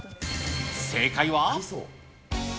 正解は。